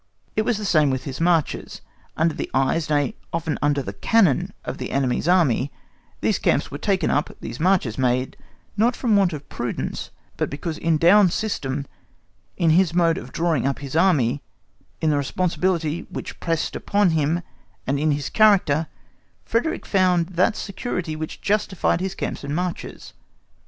It was the same with his marches, under the eyes, nay, often under the cannon of the enemy's Army; these camps were taken up, these marches made, not from want of prudence, but because in Daun's system, in his mode of drawing up his Army, in the responsibility which pressed upon him, and in his character, Frederick found that security which justified his camps and marches.